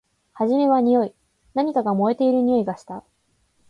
はじめはにおい。何かが燃えているにおいがした。